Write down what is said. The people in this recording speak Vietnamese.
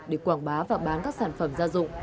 để quảng bá và bán các sản phẩm gia dụng